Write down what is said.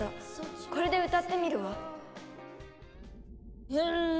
これで歌ってみるわ。